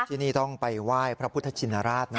ที่นี่ต้องไปไหว้พระพุทธชินราชนะ